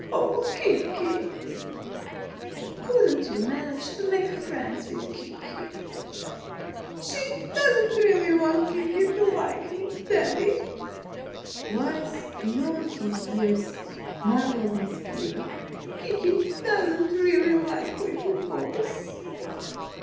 "Oh! Kiki!" "Couldn't you manage to make friends with Kiki?" "She doesn't really want Kiki to like me, Daddy." (Wise beyond his years, marvelled Miss Beaver.) "Kiki doesn't really like little boys."